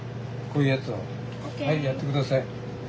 こういうやつをはいやって下さい。